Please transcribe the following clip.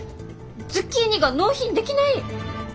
ズッキーニが納品できない？